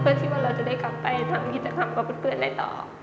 เพื่อที่ว่าเราจะได้กลับไปทำกิจกรรมกับเพื่อนอะไรต่อ